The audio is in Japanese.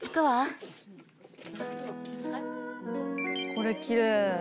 これきれい。